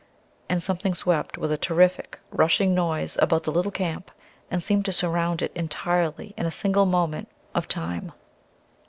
And something swept with a terrific, rushing noise about the little camp and seemed to surround it entirely in a single moment of time.